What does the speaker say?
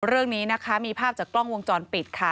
เรื่องนี้นะคะมีภาพจากกล้องวงจรปิดค่ะ